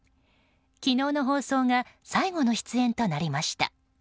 昨日の放送が最後の出演となりました。